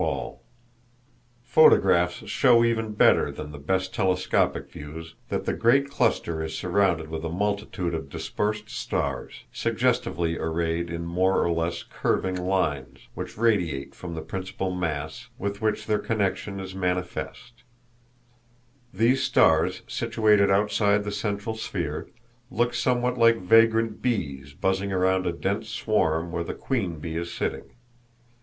[Illustration: Star cluster in Hercules (Photographed with a two foot reflector)] Photographs show even better than the best telescopic views that the great cluster is surrounded with a multitude of dispersed stars, suggestively arrayed in more or less curving lines, which radiate from the principle mass, with which their connection is manifest. These stars, situated outside the central sphere, look somewhat like vagrant bees buzzing round a dense swarm where the queen bee is sitting.